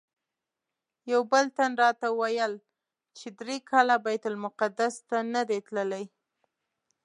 یو بل تن راته ویل چې درې کاله بیت المقدس ته نه دی تللی.